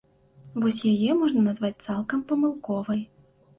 Вось яе можна назваць цалкам памылковай.